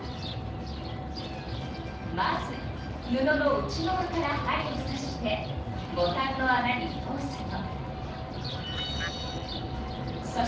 まず布の内側から針をさしてボタンのあなに通すの。